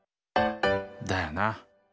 だよな！